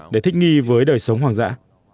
để thích nghi với đời sống hoàng dã